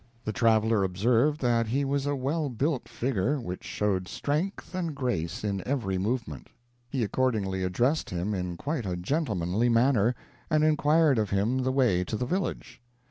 The traveler observed that he was a well built figure which showed strength and grace in every movement. He accordingly addressed him in quite a gentlemanly manner, and inquired of him the way to the village.